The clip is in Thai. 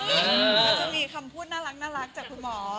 ก็จะมีคำพูดน่ารักจากคุณหมอ